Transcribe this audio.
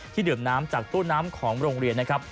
ดื่มน้ำจากตู้น้ำของโรงเรียนนะครับ